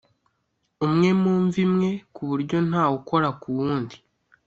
umwe mu mva imwe ku buryo nta wukora ku wundi